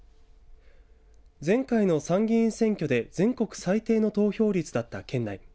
前回の参議院選挙で全国最低の投票率だった県内。